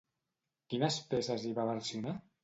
Quines peces hi va versionar?